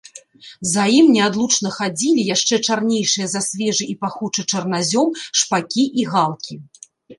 За ім неадлучна хадзілі яшчэ чарнейшыя за свежы і пахучы чарназём шпакі і галкі.